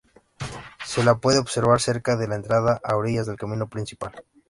Se la puede observar cerca de la entrada, a orillas del camino principal.